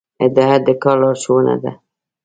هدایت د کار لارښوونه ده